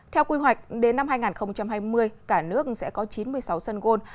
theo quy hoạch đến năm hai nghìn hai mươi cả nước sẽ có chín mươi sáu sân gôn